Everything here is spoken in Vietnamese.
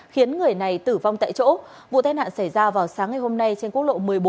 khiến người này tử vong tại chỗ vụ tai nạn xảy ra vào sáng ngày hôm nay trên quốc lộ một mươi bốn